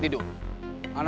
ada di rumahnya